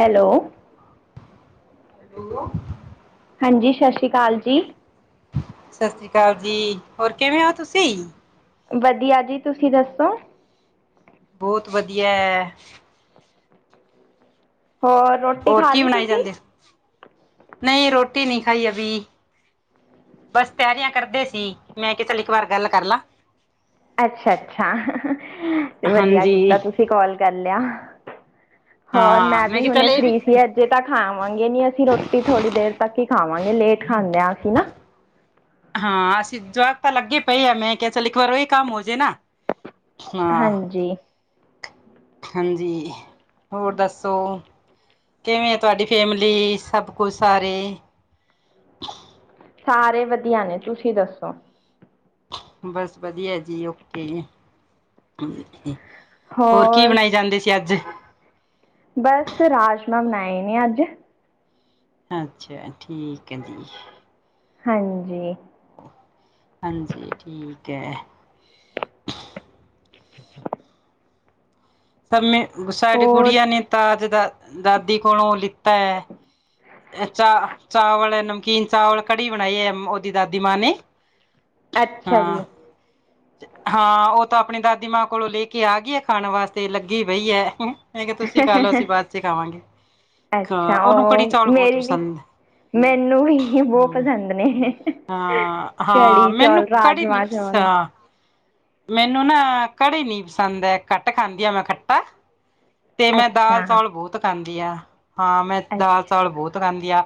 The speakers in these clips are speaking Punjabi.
ਹੈਲੋ [inaudible] ਹੈਲੋ ਹਾਂਜੀ ਸਤਿ ਸ਼੍ਰੀ ਅਕਾਲ ਜੀ ਸਤਿ ਸ੍ਰੀ ਅਕਾਲ ਜੀ ਹੋਰ ਕਿਵੇਂ ਹੋ ਤੁਸੀਂ ਵਧੀਆ ਜੀ ਤੁਸੀਂ ਦੱਸੋ ਬਹੁਤ ਵਧੀਆ ਐ ਹੋਰ ਰੋਟੀ ਹੋਰ ਖਾ ਕੀ ਲਈ ਬਣਾਈ ਤੁਸੀਂ ਜਾਂਦੇ ਨਈ ਰੋਟੀ ਨਈ ਖਾਈ ਅਬੀ ਬਸ ਤਿਆਰੀਆਂ ਕਰਦੇ ਸੀ ਮੈਂ ਕਿਹਾ ਚੱਲ ਇੱਕ ਵਾਰ ਗੱਲ ਕਰ ਲਾਂ ਅੱਛਾ ਅੱਛਾ ਵਧੀਆ ਹਾਂਜੀ, ਕੀਤਾ ਤੁਸੀਂ ਕੋਲ ਕਰ ਲਿਆ ਹੋਰ ਹਾਂ ਮੈਂ ਵੀ ਕਿਹਾ ਚੱਲ ਹੁਣੇ ਇਹ ਫ੍ਰੀ ਸੀ ਅੱਜ ਅਜੇ ਤਾਂ ਖਾਵਾਂਗੇ ਨੀ ਅਸੀਂ ਰੋਟੀ ਥੋੜੀ ਦੇਰ ਤੱਕ ਹੀ ਖਾਵਾਂਗੇ ਲੇਟ ਖਾਂਦੇ ਹਾਂ ਅਸੀਂ ਨਾ ਹਾਂ ਅਸੀਂ ਜਵਾਕ ਤਾਂ ਲੱਗੇ ਪਏ ਆ ਮੈ ਕਿਹਾ ਚਲ ਇੱਕ ਵਾਰ ਉਹੀ ਕੰਮ ਹੋਜੇ ਨਾ ਹਾਂ ਹਾਂਜੀ ਹਾਂਜੀ ਹੋਰ ਦੱਸੋ ਕਿਵੇਂ ਆ ਤੁਹਾਡੀ ਫੈਮਿਲੀ ਸਭ ਕੁਛ ਸਾਰੇ ਸਾਰੇ ਵਧੀਆ ਨੇ ਤੁਸੀਂ ਦੱਸੋ ਬਸ ਵਧੀਆ ਜੀ ਓਕੇ ਕੀ ਹੋਰ ਬਣਾਈ ਜਾਂਦੇ ਸੀ ਅੱਜ? ਬਸ ਰਾਜਮਾਂ ਬਣਾਏ ਨੇ ਅੱਜ ਅੱਛਾ ਠੀਕ ਹੈ ਜੀ ਹਾਂਜੀ ਹਾਂਜੀ ਠੀਕ ਐ ਸਮੇ ਸਾਡੀ ਹੋਰ ਗੁੜੀਆਂ ਨੇ ਤਾ ਅੱਜ ਦਾ ਦਾਦੀ ਕੋਲੋਂ ਲਿੱਤਾ ਹੈ ਐ ਚਾ ਚਾਵਲ ਨਮਕੀਨ ਚਾਵਲ ਕੜੀ ਬਣਾਈ ਐ, ਉਹਦੀ ਦਾਦੀ ਮਾਂ ਨੇ ਅੱਛਾ ਹਾਂ। ਜੀ। ਹਾਂ ਉਹ ਤਾਂ ਆਪਣੀ ਦਾਦੀ ਮਾਂ ਕੋਲੋਂ ਲੈ ਕੇ ਆ ਗਈ ਐ ਖਾਣ ਵਾਸਤੇ ਲੱਗੀ ਪਈ ਐ ਹੈ ਕਿਹਾ ਤੁਸੀਂ ਖਾ ਲਓ ਅਸੀਂ ਬਾਅਦ ਚ ਖਾਵਾਂਗੇ, ਅ ਅੱਛਾ ਉਹਨੂੰ ਕੜੀ ਉਹ ਚੌਲ਼ ਬਹੁਤ ਮੇਰੀ ਵੀ ਪਸੰਦ ਮੈਨੂੰ ਵੀ ਬਹੁਤ ਏਂ। ਪਸੰਦ ਨੇ ਅਹ ਹਾਂ ਕੜੀ ਮੈਂਨੂੰ ਚੌਲ ਕੜੀ ਨੀ ਰਾਜਮਾਂ ਪਸ ਚੌਲ ਮੈਨੂੰ ਨਾ ਕੜੀ ਨੀ ਪਸੰਦ ਹੈ, ਘੱਟ ਖਾਂਦੀ ਆ ਮੈਂ ਖੱਟਾ ਤੇ ਮੈਂ ਦਾਲ਼ ਅੱਛਾ ਚੌਲ ਬਹੁਤ ਖਾਂਦੀ ਆ, ਹਾਂ ਮੈਂ ਦਾਲ਼ ਅੱਛਾ ਚਾਵਲ ਬਹੁਤ ਖਾਂਦੀ ਆ,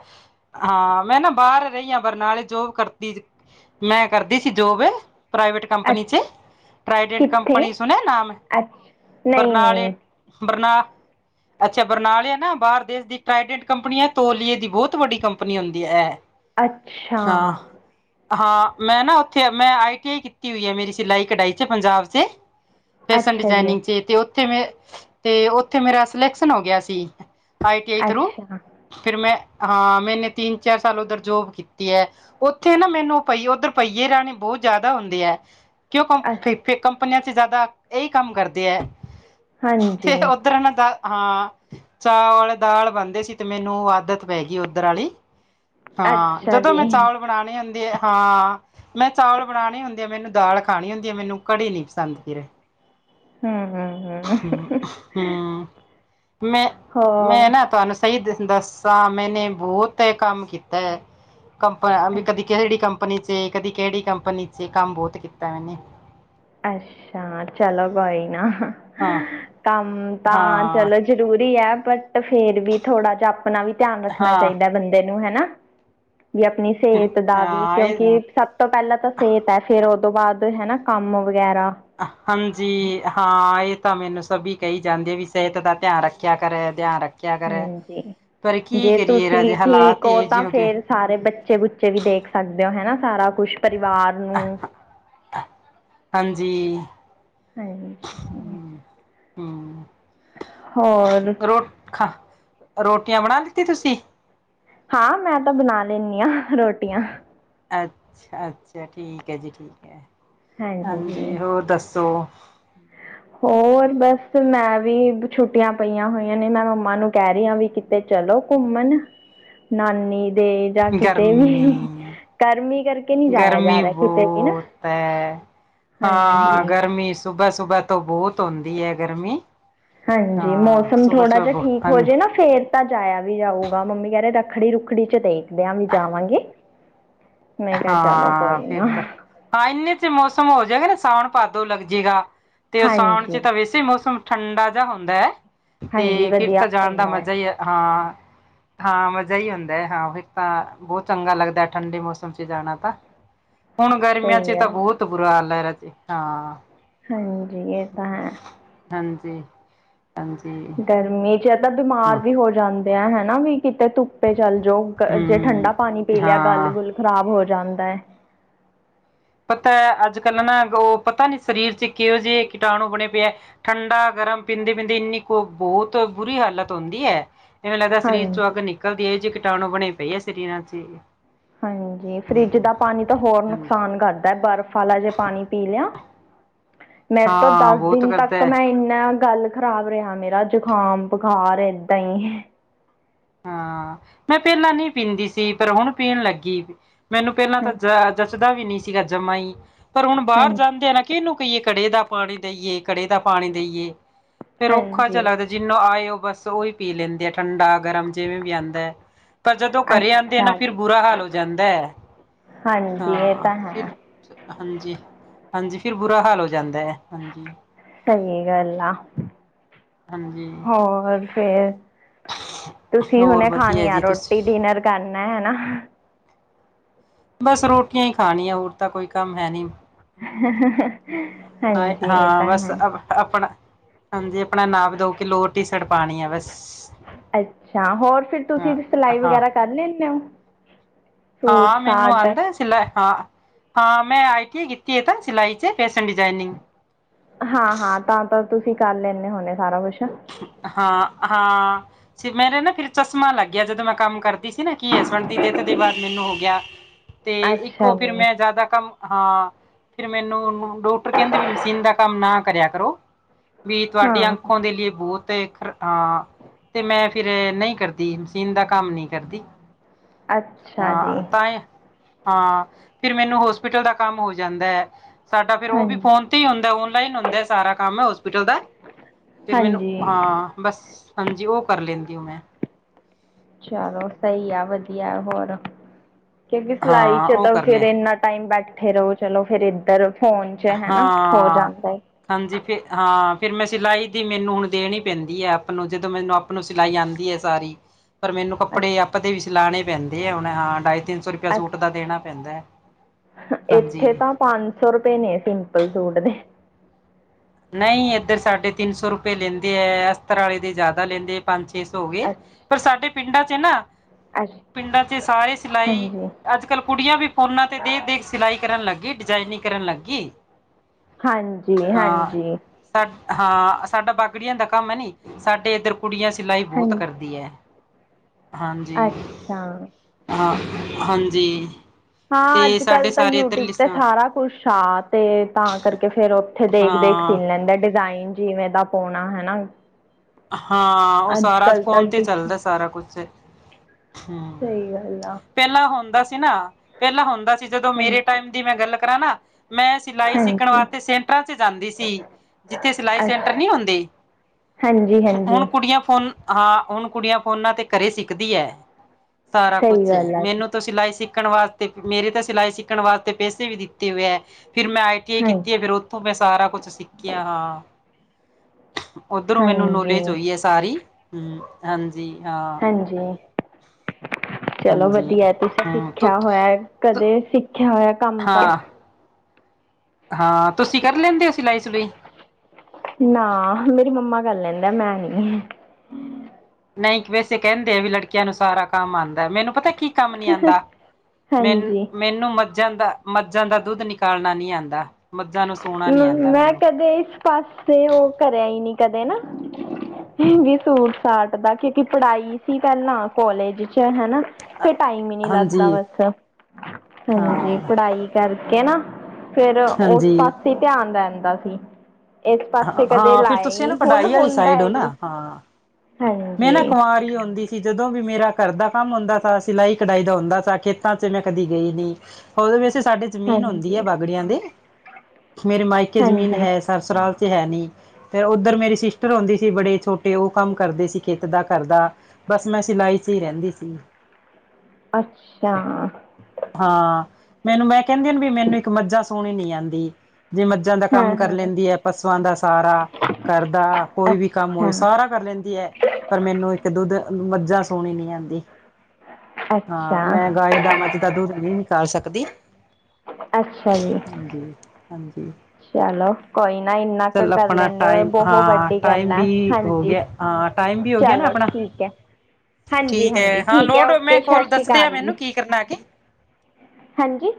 ਹਾਂ ਮੈਂ ਨਾ ਬਾਹਰ ਰਹੀ ਆ ਬਰਨਾਲੇ ਜੋਬ ਕਰਤੀ ਮੈਂ ਕਰਦੀ ਸੀ ਜੋਬ ਪ੍ਰਾਈਵੇਟ ਕੰ ਕੰਪਨੀ ਚ ਅੱਛਾ ਪਰਾਈਟਡ ਕਿੱਥੇ ਕੰਪਨੀ ਸੁਣਿਆਂ ਨਾਂਮ ਅੱਛਾ ਨਹੀਂ ਬਰਨਾਲੇ, ਨਹੀਂ ‍ ਬਰਨਾ ਅੱਛਾ ਬਰਨਾਲੇ ਆ ਨਾ ਬਾਹਰ ਦੇਸ਼ ਦੀ ਟ੍ਰਡੈਂਟ ਕੰਪਨੀ ਐ, ਤੋਲੀਏ ਦੀ ਬਹੁਤ ਵੱਡੀ ਕੰਪਨੀ ਹੁੰਦੀ ਐ। ਅੱਛਾ। ਹਾਂ ਮੈਂ ਨਾ ਉੱਥੇ ਮੈਂ ਆਈ ਟੀ ਆਈਂ ਕੀਤੀ ਹੋਈ ਆ ਮੇਰੀ ਸਿਲਾਈ ਕਢਾਈ ਚ ਪੰਜਾਬ ਚ ਫੈਸ਼ਨ ਅੱਛਾ ਜੀ ਡਿਜਾਨਿੰਗ ਚ ਤੇ ਉੱਥੇ ਉੱਥੇ ਮੇਰਾ ਸਿਲੈਕਸ਼ਨ ਹੋ ਗਿਆਂ ਸੀਂ। ਆਈ ਟੀ ਆਈਂ ਥਰੂ ਅੱਛਾ ਫਿਰ ਮੈਂ, ਹਾਂ ਮੈਂਨੇ ਤਿੰਨ ਚਾਰ ਸਾਲ ਉਧਰ ਜੋਬ ਕੀਤੀ ਐ। ਉੱਥੇ ਨਾ ਮੈਨੂੰ ਉਹ ਭਹੀ ਉੱਧਰ ਭਹੀਏ ਰਾਣੀ ਬਹੁਤ ਜ਼ਿਆਦਾ ਹੁੰਦੀ ਐ। ਕਿਉ ਕੰ ਅ ਫੇ ਕੰਪਨੀਆਂ ਚ ਜ਼ਿਆਦਾ ਇਹੀ ਕੰਮ ਕਰਦੇ ਆ। ਹਾਂਜੀ। ਦਰਾਨਾ ਦਾ ਹਾਂ। ਚਾਵਲ ਦਾਲ਼ ਬਣਦੇ ਸੀ, ਤੇ ਮੈਂਨੂੰ ਆਦਤ ਪੈਗੀ ਉੱਧਰ ਆਲੀ। ਹਾਂ ਅੱਛਾ ਜਦੋਂ ਜੀ ਮੈਂ ਚਾਵਲ ਬਣਾਉਣੇ ਹੁੰਦੇ ਆ, ਹਾਂ ਮੈਂ ਚਾਵਲ ਬਣਾਉਣੇ ਹੁੰਦੈ ਆ ਮੈਂਨੂੰ ਦਾਲ ਖਾਣੀ ਹੁੰਦੀ ਆ, ਮੈਂਨੂੰ ਕੜੀ ਨੀ ਪਸਦ ਜੀਰੇ ਹੂੰ- ਹੂੰ- ਹੂੰ। ਹੂੰ ਮੈਂ-ਮੈਂ ਹੋਰ ਨਾ ਤੁਹਾਂਨੂੰ ਸਹੀ ਦੱਸਾਂ ਮੈਂਨੇ ਬਹੁਤ ਏਂ ਕੰਮ ਕੀਤਾ ਐ, ਕੰਪ ਕਦੀਂ ਕਿਹੜੀ ਕੰਪਨੀ ਕੰਪਨੀ ਚ ਕਦੀ ਕਿਹੜੀ ਕੰਪਨੀ ਚ ਕੰਮ ਬਹੁਤ ਕੀਤਾ ਮੈਨੇ। ਅੱਛਾ ਚਲੋ ਕੋਈ ਨਾ, ਹਾਂ ਕੰਮ ਤਾਂ ਹਾਂ ਚਲੋ ਜ ਜ਼ਰੂਰੀ ਐ, ਬਟ ਫੇਰ ਵੀ ਥੋੜਾਂ ਜਿਹਾਂ ਆਪਣਾਂ ਵੀ ਧਿਆਂਨ ਰੱਖਣਾਂ ਹਾਂ ਚਾਹੀਂਦਾ ਬੰਦੇ ਨੂੰ ਹਨਾ ਵੀ ਆਪਣੀ ਸਿਹਤ ਦਾ ਵੀ ਹਾਂ ਇਹ ਕਿਉਂਕਿ ਸਭ ਤੋਂ ਪਹਿਲਾਂ ਤਾਂ ਸਿਹਤ ਐ, ਫੇਰ ਉਹਤੋ ਬਾਅਦ ਹੈਨਾ ਕੰਮ ਵਗ਼ੈਰਾ ਹਾਂਜੀ ਹਾਂ ਇਹ ਤਾਂ ਮੈਨੂੰ ਸਭੀ ਕਹੀ ਜਾਂਦੇ ਵੀ ਸਿਹਤ ਦਾ ਧਿਆਨ ਰੱਖਿਆ ਕਰ ਧਿਆਨ ਰੱਖ ਹਾਂਜੀ, ਜੇ ਰਾਜੇ ਤੁਸੀਂ ਠੀਕ ਹਾਲਾਤ ਹੀ ਹੋ ਇਹੋ ਤਾਂ ਜਿਹੇ ਗਏ। ਫ਼ੇਰ। ਸਾਰੇ ਬੱਚੇ ਬੁੱਚੇ ਵੀ ਦੇਖ ਸਕਦੇ ਔ ਹੈਨਾ ਸਾਰਾਂ ਕੁੱਛ ਪਰਿਵਾਰ ਨੂੰ ਹਾਂਜੀ। [unintelligible] ਹੂੰ ਹੂੰ ਹੋਰ ਰੋ ਖਾ ਰੋਟੀਆਂ ਬਣਾ ਦਿੱਤੀ ਤੁਸੀਂ ਹਾਂ ਮੈਂ ਤਾਂ ਬਣਾ ਲੇਨੀ ਆ ਰੋਟੀਆਂ। ਅੱਛਾ- ਅੱਛਾ ਠੀਕ ਐ ਜੀ ਠੀਕ ਐ, ਹਾਂਜੀ ਹੋਰ ਦੱਸੋਂ। ਹੋਰ ਬਸ ਮੈਂ ਵੀ ਛੁੱਟੀਆਂ ਪਈਆਂ ਹੋਈਆਂ ਨੇ ਮੈਂ ਮੰਮਾ ਨੂੰ ਕਹਿ ਰਹੀ ਹਾਂ ਵੀ ਕਿ ਤੇ ਚਲੋ ਘੁੰਮਣ,, ਨਾਨੀ ਤੇ ਜਾਂ ਕਿਤੇ ਵੀ, ਗਰਮੀ ਗਰਮੀ ਕਰਕੇ ਹੀ ਨੀਂ ਜਾਇਆਂ ਜਾ ਗਰਮੀ ਰਿਹਾਂ ਕਿੱਤੇ ਵੀ ਨਾ ਬਹੁਤ ਹੈ ਹਾਂ ਹਾਂਜੀ ਗਰਮੀ ਸੁਬੇ- ਸੁਬੇ ਤੋਂ ਬਹੁਤ ਹੁੰਦੀ ਐ ਗਰਮੀਂ। ਹਾਂਜੀ, ਮੌਸਮ ਥੋੜ੍ਹਾ ਜਾਂ ਠੀਕ ਬ ਹੋਜੇ ਨਾ ਫ਼ੇਰ ਤਾਂ ਜਾਇਆਂ ਵੀ ਜਾਊਗਾ, ਮੰਮੀ ਕਹਿ ਰਹੇ ਰੱਖੜੀ ਰੁੱਖੜੀ ਚ ਦੇਖਦੇ ਆਂ ਵੀ ਜਾਵਾਂਗੇ। ਮੈਂ ਕਿਹਾ ਚਲੋ ਹਾਂ ਕੋਈ ਫਿਰ ਨਾ ਤਾਂ ਹਾਂ ਇੰਨੇ ਚ ਮੌਸਮ ਹੋ ਜਾਏਗਾ ਨਾ ਸਾਵਣ ਭਾਦੋ ਲੱਗ ਜੇਗਾ ਤੇ ਉਹ ਸਾਵਣ ਚ ਹਾਂਜੀ ਤਾਂ ਵੈਸੇ ਹੀ ਮੌਸਮ ਠੰਡਾ ਜਾ ਹੁੰਦਾ ਤੇ ਹਾਂਜੀ ਫੇਰ ਵਧੀਆ ਤਾਂ ਜਾਣ ਦਾ ਹੁੰਦਾ ਹੈ ਮਜ਼ਾ ਹੀ, ਹਾਂ ਹਾਂ ਮਜ਼ਾ ਹੀ ਹੁੰਦਾ ਐ ਹਾਂ ਫੇਰ ਤਾਂ ਬਹੁਤ ਚੰਗਾ ਲੱਗਦਾ ਠੰਡੇ ਮੌਸਮ ਚ ਜਾਣਾ ਤਾਂ ਹੁਣ ਗਰਮੀਆਂ ਸਹੀ ਚ ਤਾਂ ਗੱਲ ਆ ਬਹੁਤ ਬੁਰਾ ਹਾਲ ਐ ਰਾਜੇ, ਹਾਂ ਹਾਂਜੀ ਇਹ ਤਾਂ ਹੈ ਹਾਂਜੀ, ਹਾਂਜੀ ਮੀਹ ਚ ਇਹ ਤਾਂ ਬਿਮਾਰ ਵੀ ਹੋ ਜਾਂਦੇ ਆ ਹਨਾ ਵੀ ਕਿਤੇ ਧੁ ਧੁੱਪੇ ਚੱਲ ਜਾਓ ਜੇ ਹਮ ਠੰਢਾ ਪਾਣੀ ਪੀ ਲਿਆ ਗਲ ਹਾਂ ਗੁਲ ਖ਼ਰਾਬ ਹੋ ਜਾਂਦਾ ਐ ਪਤਾ ਅੱਜ ਕੱਲ੍ਹ ਨਾ ਉਹ ਪਤਾ ਨੀ ਸਰੀਰ ਚ ਕਿਹੋ ਜਿਹੇ ਕੀਟਾਣੂ ਬਣੇ ਪਏ ਐ ਠੰਡਾ ਗਰਮ ਪੀਂਦੇ- ਪੀਂਦੇ ਇੰਨੀ ਕੋ ਬਹੁਤ ਬੁਰੀ ਹਾਲਤ ਹੁੰਦੀ ਐ ਇਵੇਂ ਲੱਗਦਾ ਸਰੀਰ ਚੋਂ ਹਾਂਜੀ ਅੱਗ ਨਿਕਲਦੀ ਐ ਐਹ ਜਹੀ ਕੀਟਾਣੂ ਬਣੇ ਪਈ ਐ ਸਰੀਰਾਂ ਚ ਹਾਂਜੀ, ਫਰਿੱਜ ਦਾ ਪਾਣੀ ਤਾਂ ਹੋਰ ਹਾਂਜੀ ਨੁਕਸਾਨ ਕਰਦਾ ਐ ਬਰਫ਼ ਰਫ ਆਲਾ ਪਾਣੀ ਪੀ ਲਿਆ ਮੇਰੇ ਤੋਂ ਹਾਂ ਦਸ ਬਹੁਤ ਦਿਨ ਕਰਦਾ ਤੱਕ ਹੈ। ਮੈਂ ਇੰਨਾ ਗਲ ਖ਼ਰਾਬ ਰਿਹਾ ਮੇਰਾ ਜਕਾਮ, ਬਖਾਰ ਏਦਾਂ ਹੀ ਹਾਂ ਮੈਂ ਪਹਿਲਾਂ ਨੀ ਪੀਂਦੀ ਸੀ ਪਰ ਹੁਣ ਪੀਨ ਲੱਗੀ ਮੈਨੂੰ ਪਹਿਲਾਂ ਤਾਂ ਜ ਹਾਂਜੀ ਜੱਚਦਾ ਵੀ ਨਹੀਂ ਸੀਗਾ ਜੰਮਾ ਹੀ ਪਰ ਹੁਣ ਬਾਹਰ ਹਾਂਜੀ ਜਾਂਦੇ ਆ ਨਾ ਕਿਹਨੂੰ ਕਹੀਏ ਘੜੇ ਦਾ ਪਾਣੀ ਦੇਈਏ, ਘੜੇ ਦਾ ਪਾਣੀ ਦੇਈਏ ਫੇਰ ਔਖਾ ਜਾਂ ਹਾਂਜੀ ਲੱਗਦਾ ਜਿਹਨੂੰ ਆਏ ਓ ਬਸ ਉਹੀ ਪੀ ਲੈਂਦੇ ਆ ਠੰਡਾ- ਗਰਮ ਜਿਵੇਂ ਵੀ ਆਂਦਾ ਐ ਪਰ ਜਦੋਂ ਘਰੇ ਆਂਦੇ ਆ ਨਾ ਅੱਛਾ ਫੇਰ ਜੀ ਬੁਰਾ ਹਾਲ ਹੋ ਜਾਂਦਾ ਐ ਹਾਂਜੀ ਇਹ ਹਾਂ ਤਾਂ ਹੈ ਫਿਰ ਹਾਂਜੀ, ਹਾਂਜੀ ਫਿਰ ਬੁਰਾ ਹਾਲ ਹੋ ਜਾਂਦਾ ਐ ਸਹੀ ਗੱਲ ਆ, ਹਾਂਜੀ ਹੋਰ ਫੇਰ ਤੁਸੀਂ ਹੋਰ ਹੁਣੇ ਖਾਣੀ ਵਧੀਆ ਆ ਜੀ ਰੋਟੀ ਤੁਸੀਂ ਡਿਨਰ ਕਰਨਾ ਹਨਾ ਬਸ ਰੋਟੀਆਂ ਹੀ ਖਾਣੀਆਂ ਹੋਰ ਤਾਂ ਕੋਈ ਕੰਮ ਹੈ ਨੀਂ ਹਾਂਜੀ ਇਹ ਹਾਂ ਤਾਂ ਬਸ ਹੈ। ਆਪਣਾ, ਹਾਂਜੀ ਆਪਣਾ ਨਾਪ ਧੋ ਕੇ ਲੋਰ ਟੀ ਸਰਟ ਪਾਨੀ ਆ ਬਸ ਅੱਛਾ ਹੋਰ ਫਿਰ ਤੁਸੀਂ ਹਾਂ ਸਿਲਾਈ ਹਾਂ ਵਗੈਰਾ ਕਰ ਲੈਂਣੇ ਹੋ ਸੂਟ ਹਾਂ ਮੈਨੂੰ ਸਾਟ ਆਂਦਾ ਸਿਲਾਈ ਹਾਂ, ਹਾਂ ਮੈਂ ਆਈ ਟੀ ਆਈ ਕੀਤੀ ਇਹ ਤਾਂ ਸਿਲਾਈ ਚ ਫੈਸ਼ਨ ਡਿਜਾਇਨਿੰਗ ਹਾਂ, ਹਾਂ ਤਾਂ ਤਾਂ ਤੁਸੀਂ ਕਰ ਲੈਣੇ ਹੁੰਦੇ ਸਾਰਾ ਕੁਛ ਹਾਂ, ਹਾਂ ਮੇਰੇ ਨਾ ਫਿਰ ਚਸ਼ਮਾ ਲੱਗ ਗਿਆ ਜਦੋਂ ਮੈਂ ਕੰਮ ਕਰਦੀ ਸੀ ਨਾ ਕਿ ਹਸਬੈਂਡ ਦੀ ਡੈਥ ਦੇ ਬਾਅਦ ਮੈਨੂੰ ਹੋ ਗਿਆ ਤੇ ਅੱਛਾ ਇੱਕੋ ਫੇਰ ਜੀ ਮੈਂ ਜ਼ਿਆਦਾ ਕੰਮ ਹਾਂ ਫੇਰ ਮੈਨੂੰ ਡਾਕਟਰ ਕਹਿੰਦੇ ਵੀ ਮਸ਼ੀਨ ਦਾ ਕੰਮ ਨਾ ਕਰਿਆ ਕਰੋ ਵੀ ਤੁਹਾਡੀ ਹਾਂ ਆਖੋਂ ਦੇ ਲਈ ਬਹੁਤ ਖ ਹਾਂ ਤੇ ਮੈਂ ਫੇਰ ਨਹੀਂ ਕਰਦੀ ਮਸੀਨ ਦਾ ਕੰਮ ਨਹੀਂ ਕਰਦੀ ਅੱਛਾ ਜੀ ਹਾਂ ਤਾਂ ਹੈ ਹਾਂ ਫਿਰ ਮੈਨੂੰ ਹੋਸਪਿਟਲ ਦਾ ਕੰਮ ਹੋ ਜਾਂਦਾ ਐ ਸਾਡਾ ਫੇਰ ਉਹ ਵੀ ਹਾਂਜੀ ਫੋਨ ਤੇ ਹੀ ਹੁੰਦਾ ਔਨਲਾਈਨ ਹੁੰਦਾ ਸਾਰਾ ਕੰਮ ਹੋਸਪਿਟਲ ਦਾ ਫਿਰ ਮੈਨੂੰ ਹਾਂਜੀ ਹਾਂ, ਬਸ ਹਾਂਜੀ ਉਹ ਕਰ ਲੈਂਦੀ ਹੂੰ ਮੈਂ ਚਲੋ ਸਹੀ ਆ, ਵਧੀਆ ਐ ਹੋਰ ਕਿਉਂਕਿ ਸਿਲਾਈ ਹਾਂ ਚ ਉਹ ਤਾਂ ਕਰ ਫੇਰ ਲਿਆ ਇੰਨਾ ਟਾਈਮ ਬੈਠੇ ਰਹੋ ਚਲੋ ਫੇਰ ਏਧਰ ਹਾਂ ਹਾਂਜੀ ਫੇਰ ਹਾਂ ਫਿਰ ਮੈਂ ਸਿਲਾਈ ਦੀ ਮੈਨੂੰ ਹੁਣ ਦੇਣੀ ਪੈਂਦੀ ਐ ਆਪਣੋ ਜਦੋਂ ਮੈਨੂੰ ਆਪਣੋ ਸਿਲਾਈ ਆਉਂਦੀ ਐ ਸਾਰੀ ਪਰ ਮੈਨੂੰ ਹੈ ਕੱਪੜੇ ਆਪਦੇ ਵੀ ਸਿਲਾਣੇ ਪੈਂਦੇ ਆ ਹੁਣ ਹਾਂ ਢਾਈ ਤਿੰਨ ਸੌ ਰੁਪਇਆ ਸੂਟ ਦਾ ਅੱਛਾ ਦੇਣਾ ਪੈਂਦਾ, ਇੱਥੇ ਹਾਂਜੀ ਤਾਂ ਪੰਜ ਸੌ ਰੁਪਏ ਨੇ ਸਿੰਪਲ ਸੂਟ ਦੇ। ਨਈਂ ਏਧਰ ਸਾਢੇ ਤਿੰਨ ਸੌ ਰੁਪਏ ਲੈਂਦੇ ਐ, ਅਸਤਰ ਆਲੇ ਦੇ ਜਾਦਾ ਲੈਂਦੇ। ਪੰਜ-ਛੇ ਸੌ ਹੋ ਗੇ ਅੱਛਾ ਪਰ ਸਾਡੇ ਪਿੰਡਾਂ ਚ ਨਾ, ਅੱਛਾ ਪਿੰਡਾਂ ਚ ਸਾਰੇ ਸਿਲਾਈ ਹਾਂਜੀ ਅੱਜ ਕੱਲ ਕੁੜੀਆਂ ਵੀ ਫੋਨਾਂ 'ਤੇ ਦੇ ਦੇਖ ਸਿਲਾਈ ਕਰਨ ਲੱਗੀ ਡਿਜਾਇਨਿੰਗ ਕਰਨ ਲੱਗੀ। ਹਾਂ ਹਾਂਜੀ-ਹਾਂਜੀ। ਸਾ ਹਾਂ, ਸਾਡਾ ਬਾਗੜੀਆਂ ਦਾ ਕੰਮ ਏਨੀ, ਸਾਡੇ ਏਧਰ ਕੁੜੀਆਂ ਸਿਲਾਈ ਬੋਤ ਹਾਂਜੀ ਕਰਦੀ ਐ, ਹਾਂਜੀ ਅੱਛਾ ਹਾਂ, ਹਾਂਜੀ। ਹਾਂ, ਤੇ ਅੱਜ ਸਾਡੇ ਕੱਲ ਤਾਂ ਸਾਰੇ ਇੱਧਰ ਯੂਟਊਬ ਤੇ ਲਿਸਾਂ ਸਾਰਾ ਕੁਛ ਆ ਤੇ ਤਾਂ ਕਰਕੇ, ਫੇਰ ਓਥੇ ਦੇਖ-ਦੇਖ ਹਾਂ ਸਿਲ ਲੈਂਦਾ ਡਿਜ਼ਾਇਨ ਜਿਵੇਂ ਦਾ ਪੋਣਾ, ਹਨਾ ਹਾਂ, ਓ ਸਾਰਾ ਅੱਜ ਤਾਂ ਫੋਨ ਤੇ ਡਿਸ ਚੱਲਦਾ ਸਾਰਾ ਕੁਛ ਸਈ ਗੱਲ ਆ ਪੈਲਾਂ ਹੁੰਦਾ ਸੀ ਨਾ, ਪੈਲਾਂ ਹੁੰਦਾ ਸੀ ਜਦੋਂ ਮੇਰੇ ਹਾਂਜੀ ਟਾਈਮ ਦੀ ਮੈਂ ਗੱਲ ਕਰਾਂ ਨਾ ਮੈਂ ਸਿਲਾਈ ਸਿੱਖਣ ਹਾਂਜੀ ਵਾਸਤੇ ਸੈਂਟਰਾਂ ਤੇ ਜਾਂਦੀ ਸੀ, ਜਿੱਥੇ ਸਿਲਾਈ ਅੱਛਾ ਸੈਂਟਰ ਨੀਂ ਹੁੰਦੀ। ਹਾਂਜੀ ਹੋਨ ਹਾਂਜੀ ਕੁੜੀਆਂ ਫੋਨ ਹਾਂ, ਹੋਨ ਕੁੜੀਆਂ ਫੋਨਾਂ ਤੇ ਘਰੇ ਸਿੱਖਦੀ ਐ, ਸਾਰਾ ਸਹੀ ਕੁਛ ਗੱਲ ਆ ਜੀ ਮੈਨੂੰ ਤੋਂ ਸਿਲਾਈ ਸਿੱਖਣ ਵਾਸਤੇ ਮੇਰੇ ਤੇ ਸਿਲਾਈ ਸਿੱਖਣ ਵਾਸਤੇ ਪੈਸੇ ਵੀ ਦਿੱਤੇ ਹੋਏ ਐ, ਫਿਰ ਮੈਂ ਆਈ ਟੀ ਆਈ ਕੀਤੀ ਹਾਂਜੀ ਫੇਰ ਓਥੋਂ ਮੈਂ ਸਾਰਾ ਕੁਛ ਸਿੱਖਿਆ, ਹਾਂ ਉੱਧਰੋਂ ਮੈਨੂੰ ਹਾਂਜੀ ਨੌਲੇਜ ਹੋਈ ਐ ਸਾਰੀ ਹਾਂ, ਹਾਂਜੀ ਹਾਂ ਹਾਂਜੀ, ਚਲੋ ਹਾਂਜੀ ਵਧੀਆ ਤੁਸੀਂ ਹਮ ਸਿੱਖਿਆ ਹੋਯਾ। ਕਦੇ ਸਿੱਖਿਆ ਹੋਯਾ ਕੰਮ ਤਾਂ ਹਾਂ ਹਾਂ, ਤੁਸੀਂ ਕਰ ਲੈਂਦੇ ਓ ਸਿਲਾਈ-ਸਲੂਈ? ਨਾ, ਮੇਰੀ ਮੰਮਾ ਕਰ ਲੈਂਦਾ ਐ, ਮੈਂ ਨੀਂ। ਨਈਂ, ਵੈਸੇ ਕੈਂਦੇ ਆ ਵੀ ਲੜਕੀਆਂ ਨੂੰ ਸਾਰਾ ਕੰਮ ਆਂਦਾ, ਮੈਨੂੰ ਪਤਾ ਕੀ ਕੰਮ ਨੀ ਆਂਦਾ, ਮੈਨ ਮੈਨੂੰ ਹਾਂਜੀ ਮੈਨੂੰ ਮੱਝਾਂ ਦਾ ਮੱਝਾਂ ਦਾ ਦੁੱਧ ਨਿਕਾਲਣਾ ਨੀ ਆਂਦਾ, ਮੱਝਾਂ ਨੂੰ ਸੁਣਾ ਨੀ ਆਂਦਾ ਮੈਨੂੰ। [unintelligible] ਪਾਸ ਤੇ ਓ ਕਰਿਆ ਹੀ ਨੀ ਕਦੇ ਨਾ ਵੀ ਸੂਟ-ਸਾਟ ਦਾ, ਕਿਉਂਕਿ ਪੜਾਈ ਸੀ, ਪੈਲਾਂ ਕੋਾਲਜ ਚ ਹਨਾ ਫੇ ਟਾਈਮ ਈਂ ਨੀਂ ਲੱਗਦਾ ਹਾਂਜੀ ਬਸ, ਹਾਂਜੀ ਹਾਂ ਪੜਾਈ ਕਰਕੇ ਨਾ ਫੇਰ, ਓਸ ਹਾਂਜੀ ਪਾਸੇ ਧਿਆਨ ਰੈਂਦਾ ਸੀ। ਇਸ ਹਾਂ ਪਾਸੇ ਕਦੇ ਹਾਂ ਫਿਰ ਲਾਇਆ ਈਂ ਤੁਸੀਂ ਨਾ ਨੀਂ, ਹੁਣ ਕਢਾਈ ਵਾਲੀ ਹੁੰਦਾ ਸਾਈਡ ਹੋ ਨੀ ਨਾ ਹਾਂ ਮੈਂ ਨਾ ਕੁਵਾਰੀ ਹੁੰਦੀ ਸੀ ਜਦੋਂ ਵੀ ਮੇਰਾ ਘਰ ਦਾ ਕੰਮ ਹੁੰਦਾ ਸੀ, ਸਿਲਾਈ-ਕਢਾਈ ਦਾ ਹੁੰਦਾ ਸੀ, ਖੇਤਾਂ ਚ ਮੈਂ ਕਦੀ ਗਈ ਨਈਂ। ਓਦੋਂ ਵੈਸੇ ਸਾਡੇ ਜ਼ਮੀਨ ਹੁੰਦੀ ਐ ਹਾਂਜੀ ਬਾਗੜੀਆਂ ਦੇ ਮੇਰੇ ਮਾਇਕੇ ਜਮੀਨ ਹਾਂਜੀ ਹੈ ਸਸੂਰਾਲ ਚ ਹੈ ਨੀ ਤੇ ਓਧਰ ਮੇਰੀ ਸਿਸਟਰ ਹੁੰਦੀ ਸੀ ਬੜੇ, ਛੋਟੇ ਓ ਕੰਮ ਕਰਦੇ ਸੀ। ਕਿੱਤ ਦਾ ਕਰਦਾ ਬਸ, ਮੈਂ ਸਿਲਾਈ ਚ ਹੀ ਰੈਂਦੀ ਸੀ। ਅੱਛਾ। ਹਾਂ, ਮੈਨੂੰ ਮੈਂ ਕਹਿੰਦੀ ਵੀ ਮੈਨੂੰ ਇੱਕ ਮੱਝਾਂ ਸੁਣੀਂ ਨੀ ਆਂਦੀ, ਜੇ ਮੱ ਜਾਂ ਦਾ ਕੰਮ ਹਾਂ ਕਰ ਹਾਂ ਲੈਂਦੀ ਐ ਪਸੂਆਂ ਦਾ ਸਾਰਾ, ਘਰ ਦਾ ਕੋਈ ਵੀ ਕੰਮ ਅੱਛਾ ਹੋਏ ਸਾਰਾ ਕਰ ਲੈਂਦੀ ਐ ਪਰ ਮੈਨੂੰ ਇੱਕ ਦੁੱਧ ਮੱਝਾਂ ਸੂੰਣੀ ਨੀ ਆਂਦੀ। ਹਾਂ, ਅੱਛਾ ਮੈਂ ਗਾਏ ਦਾ, ਮੱਝ ਦਾ ਦੁੱਧ ਨੀ ਨਿਕਾਲ ਸਕਦੀ। ਅੱਛਾ ਜੀ ਹਾਂਜੀ, ਹਾਂਜੀ। ਚਲੋ, ਕੋਈ ਨਾ ਇੰਨਾ ਕੁ ਚੱਲ ਕਰ ਆਪਣਾ ਲੈਨੇ ਓ ਟਾਈਮ ਬਹੋ ਹਾਂ ਵੱਡੀ ਗੱਲ ਟਾਈਮ ਐ, ਵੀ ਹੋ ਹਾਂਜੀ। ਗਿਆ ਹਾਂ ਟਾਈਮ ਵੀ ਹੋ ਗਿਆ ਨਾ ਚਲੋ, ਆਪਣਾ ਠੀਕ ਐ। ਹਾਂਜੀ- ਠੀਕ ਹਾਂਜੀ ਹੈ ਹਾਂ ਠੀਕ ਹੈ ਲੋੜ ਮੈਂ ਓਕੇ ਕੋਲ ਸਸ਼੍ਰੀ ਦੱਸਦੇ ਆ ਅਕਾਲ ਜੀ ਮੈਨੂੰ ਕੀ ਕਰਨਾ ਅੱਗੇ ਹਾਂਜੀ